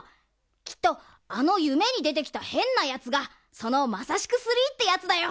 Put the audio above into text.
きっとあのゆめにでてきたへんなやつがその「マサシク３」ってやつだよ。